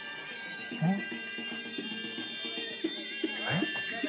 えっ。